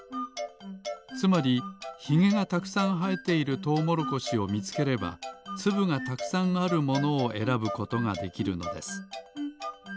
つまりひげがたくさんはえているトウモロコシをみつければつぶがたくさんあるものをえらぶことができるのです。